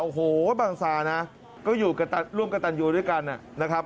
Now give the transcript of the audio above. โอ้โฮบังซานะก็ร่วมกระตันยูด้วยกันนะครับ